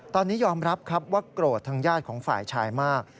ตอนนี้ยอมรับครับว่าโกรธทางญาติของฝ่ายชายมาก